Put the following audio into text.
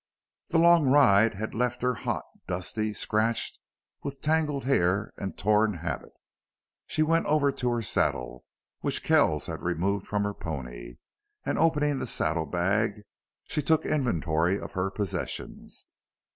The long ride had left her hot, dusty, scratched, with tangled hair and torn habit. She went over to her saddle, which Kells had removed from her pony, and, opening the saddlebag, she took inventory of her possessions.